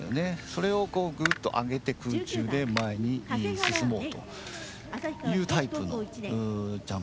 それをグッと上げて空中で前に進もうというタイプのジャンプです。